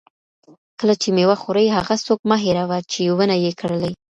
کله چې مېوه خورې، هغه څوک مه هېروه چې ونه یې کرلې.